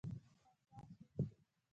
پاچا شي.